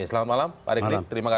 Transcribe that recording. selamat malam pak rik rizkyana